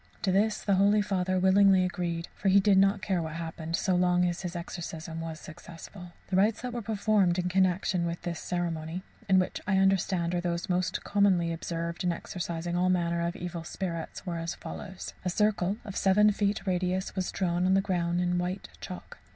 To this the holy Father willingly agreed, for he did not care what happened so long as his exorcism was successful. The rites that were performed in connexion with this ceremony (and which I understand are those most commonly observed in exorcizing all manner of evil spirits) were as follows: A circle of seven feet radius was drawn on the ground in white chalk.